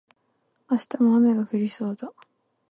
明日も雨が降りそうだ